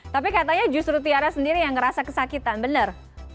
tapi katanya justru tiara sendiri yang ngerasa kesakitan benar